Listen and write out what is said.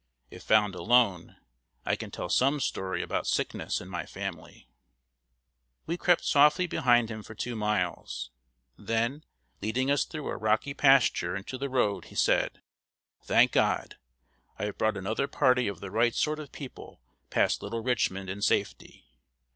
If found alone, I can tell some story about sickness in my family." We crept softly behind him for two miles. Then, leading us through a rocky pasture into the road, he said: "Thank God! I have brought another party of the right sort of people past Little Richmond in safety.